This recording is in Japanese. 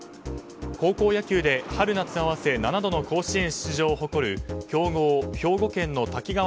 高校野球で、春夏合わせ７度の甲子園出場を誇る強豪・兵庫県の滝川